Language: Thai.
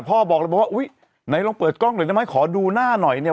บอกเลยบอกว่าอุ้ยไหนลองเปิดกล้องหน่อยได้ไหมขอดูหน้าหน่อยเนี่ย